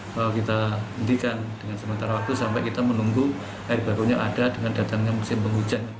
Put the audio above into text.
sampai kita menunggu air bakunya ada dengan datangnya musim penghujan